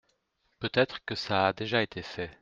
Peut-être que ça a déjà été fait.